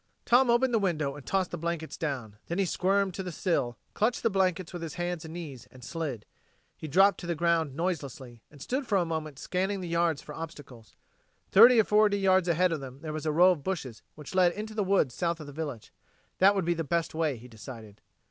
Tom opened the window and tossed the blankets down; then he squirmed to the sill, clutched the blankets with his hands and knees, and slid. He dropped to the ground noiselessly, and stood for a moment scanning the yard for obstacles. Thirty or forty yards ahead of him there was a row of bushes which led into the woods south of the village. That would be the best way, he decided.